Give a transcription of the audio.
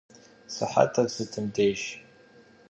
Sıhetır sıtım dêjj?